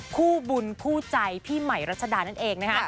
คู่บุญคู่ใจพี่ใหม่รัชดานั่นเองนะคะ